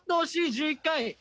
１１回！